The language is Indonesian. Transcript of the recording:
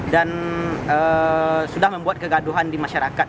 dan sudah membuat kegaduhan di masyarakat